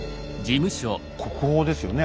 国宝ですよね